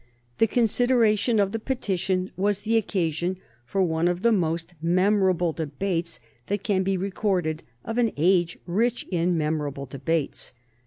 The consideration of the petition was the occasion for one of the most memorable debates that can be recorded of an age rich in memorable debates.